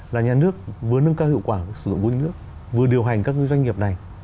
là nhà nước vừa nâng cao hiệu quả sử dụng vốn nhà nước vừa điều hành các doanh nghiệp này